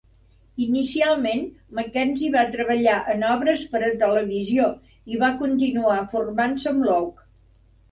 Inicialment, Mackenzie va treballar en obres per a televisió i va continuar formant-se amb Loach.